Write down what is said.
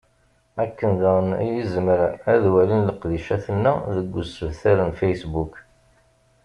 Akken daɣen i zemren ad walin leqdicat-nneɣ deg usebtar n facebook.